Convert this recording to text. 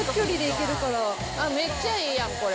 めっちゃいいやん、これ。